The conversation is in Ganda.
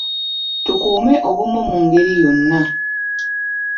Tukuume obumu mu ngeri yonna.